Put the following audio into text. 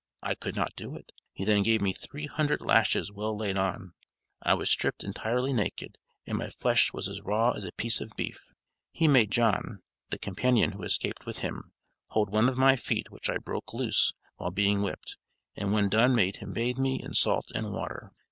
I could not do it. He then gave me three hundred lashes well laid on. I was stripped entirely naked, and my flesh was as raw as a piece of beef. He made John (the companion who escaped with him) hold one of my feet which I broke loose while being whipped, and when done made him bathe me in salt and water.